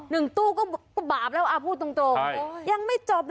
หนึ่งตู้ก็ก็บาปแล้วอ้าวพูดตรงตรงใช่ยังไม่จบนะ